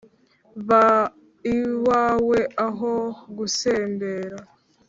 Ba iwawe aho gusembera